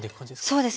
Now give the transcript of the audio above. そうです。